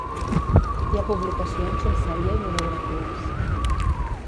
Hi ha publicacions en sèrie i monografies.